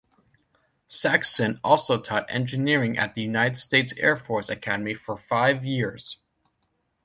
Saxon also taught engineering at the United States Air Force Academy for five years.